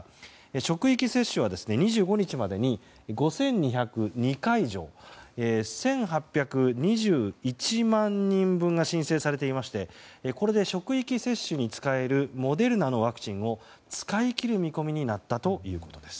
職域接種は２５日までに５２０２会場１８２１万人分が申請されていましてこれで職域接種に使えるモデルナのワクチンを使い切る見込みになったということです。